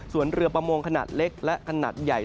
ส่วนเรือประมงขนาดเล็กและขนาดใหญ่